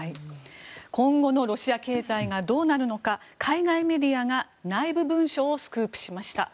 今後のロシア経済がどうなるのか海外メディアが内部文書をスクープしました。